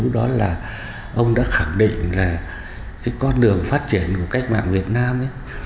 đó là ông đã khẳng định là cái con đường phát triển của cách mạng việt nam ấy